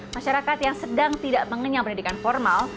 masyarakat yang sedang tidak mengenyam pendidikan formal